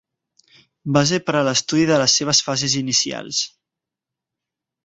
Base per a l'estudi de les seves fases inicials.